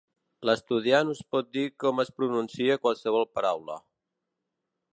L'estudiant us pot dir com es pronuncia qualsevol paraula.